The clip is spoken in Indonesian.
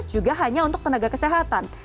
juga hanya untuk tenaga kesehatan